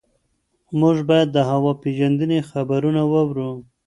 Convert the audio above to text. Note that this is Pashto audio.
موږ باید د هوا پېژندنې خبرونه واورو.